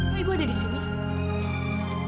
oh ibu ada di sini